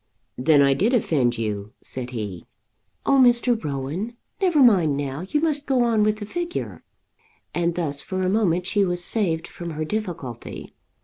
"Then I did offend you?" said he. "Oh, Mr. Rowan, never mind now; you must go on with the figure," and thus for a moment she was saved from her difficulty.